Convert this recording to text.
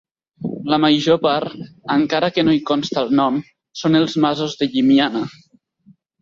La major part, encara que no hi consta el nom, són els Masos de Llimiana.